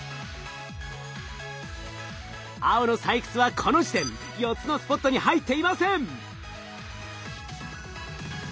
青の採掘はこの時点４つのスポットに入っていません。